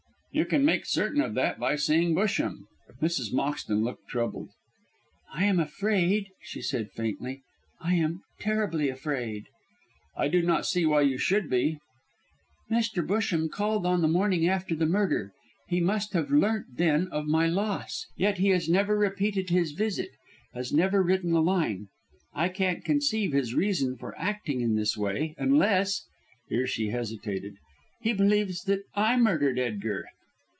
"You can make certain of that by seeing Busham." Mrs. Moxton looked troubled. "I am afraid," she said faintly. "I am terribly afraid." "I do not see why you should be." "Mr. Busham called on the morning after the murder; he must have learnt then of my loss. Yet he has never repeated his visit, has never written a line. I can't conceive his reason for acting in this way, unless," here she hesitated, "he believes that I murdered Edgar."